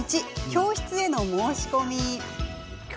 教室への申し込み。